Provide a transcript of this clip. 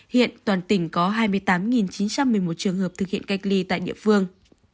hiện toàn tỉnh có hai mươi tám chín trăm một mươi một trường hợp thực hiện cách ly tại địa phương